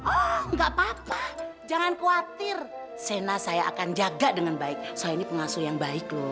oh enggak apa apa jangan khawatir sena saya akan jaga dengan baik saya ini pengasuh yang baik loh